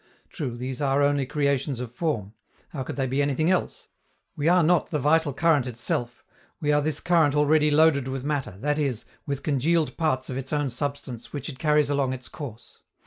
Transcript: True, these are only creations of form. How could they be anything else? We are not the vital current itself; we are this current already loaded with matter, that is, with congealed parts of its own substance which it carries along its course.